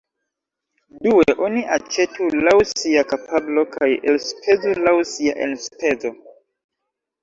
Due, oni aĉetu laŭ sia kapablo kaj elspezu laŭ sia enspezo.